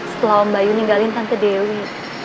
setelah om bayu ninggalin tante dewi